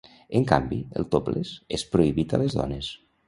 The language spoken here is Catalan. En canvi, el 'topless' és prohibit a les dones.